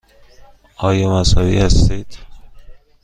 آیا مذهبی هستید؟